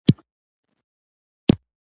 په شوروي کې د ستالین بهیر یوه ظالمانه تګلاره وه.